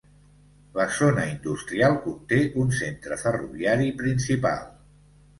La zona industrial conté un centre ferroviari principal.